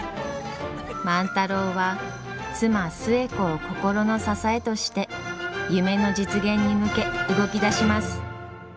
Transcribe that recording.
万太郎は妻寿恵子を心の支えとして夢の実現に向け動き出します。